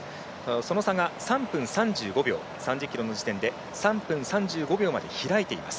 その差が３０ｋｍの時点で３分３５秒まで開いています。